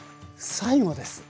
最後です。